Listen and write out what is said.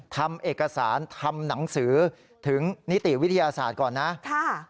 ทำเอกสารทำหนังสือถึงนิติวิทยาศาสตร์ก่อนนะ